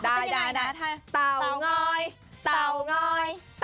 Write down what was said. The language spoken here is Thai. อานะคะต้องเซลล์เพลงเล่นยังไง